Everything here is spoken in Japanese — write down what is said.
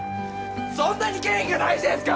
そんなに権威が大事ですか？